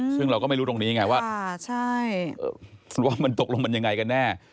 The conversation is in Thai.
ซึ่งเราก็ไม่รู้ตรงนี้ไงว่ามันตกลงมันยังไงกันแน่